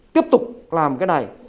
tiếp tục làm cái này